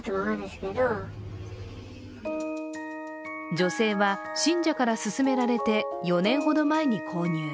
女性は信者から勧められて４年ほど前に購入。